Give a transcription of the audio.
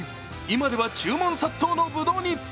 今では注文殺到のブドウに。